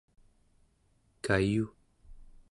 kayu